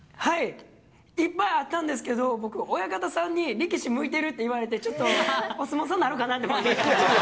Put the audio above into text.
いっぱいあったんですけど、僕、親方さんに力士向いてるって言われて、ちょっと、お相撲さんになるかなと思いました。